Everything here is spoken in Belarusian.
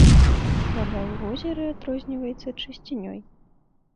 Вада ў возеры адрозніваецца чысцінёй.